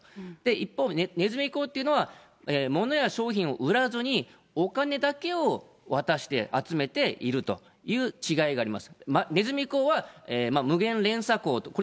一方、ねずみこうというのは、物や商品を売らずに、お金だけを渡して集めているという違いがあります。